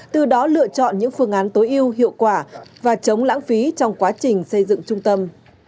từ đó lựa chọn những phương án tối yêu hiệu quả và chống lãng phí trong quá trình xây dựng trung tâm